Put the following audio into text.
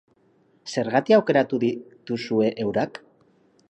Zergatik aukeratu dituzue eurak?